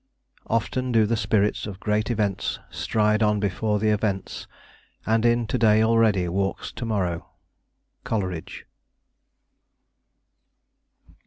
"Often do the spirits Of great events stride on before the events, And in to day already walks to morrow." Coleridge.